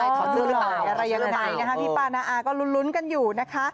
ถอดด้วยหรือเปล่าใช่ไหมพี่ป้านะอ่ะก็ลุ้นกันอยู่นะคะ